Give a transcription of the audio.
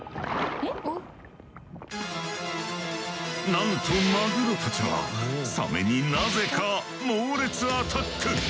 なんとマグロたちはサメになぜか猛烈アタック！